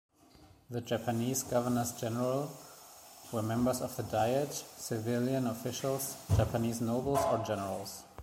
The Japanese Governors-General were members of the Diet, civilian officials, Japanese nobles or generals.